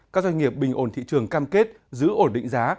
các doanh nghiệp bình ổn thị trường cam kết giữ ổn định giá